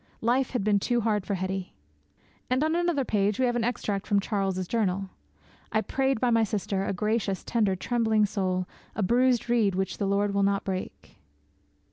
Life had been too hard for Hetty.' And on another page we have an extract from Charles's journal. 'I prayed by my sister, a gracious, tender, trembling soul; a bruised reed which the Lord will not break.'